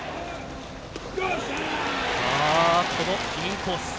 このインコース